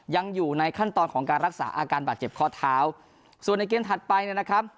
ยังอยู่ในขั้นตอนของการรักษาอาการบาดเจ็บข้อเท้าส่วนในเกมถัดไปเนี่ยนะครับ